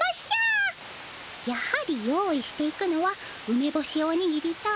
やはり用意していくのはうめぼしおにぎりと。